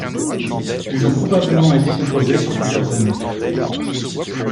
Ils ont probablement été composés sur plusieurs années.